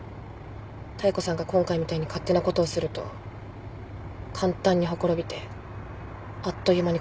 妙子さんが今回みたいに勝手なことをすると簡単にほころびてあっという間に壊れます。